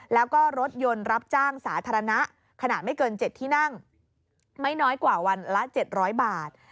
แล้วก็รถยนต์รับจ้างสาธารณะขนาดไม่เกิน๗ที่นั่งไม่น้อยกว่าวันละ๗๐๐บาท